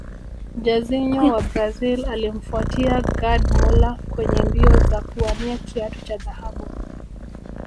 Jairzinho wa Brazil alimfuatia gerd muller kwenye mbio za kuwania kiatu cha dhahabu